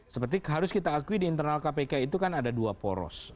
seperti harus kita akui di internal kpk itu kan ada dua poros